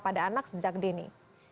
pada anak sejak dini